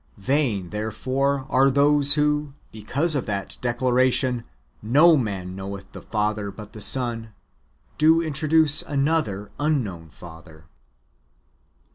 Vain, therefore, are those who, because of that declaration, " No man knoweth the Father, but the Son/'^ do introduce another unknown Father.